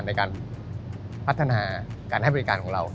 ในการพัฒนาการให้บริการของเรา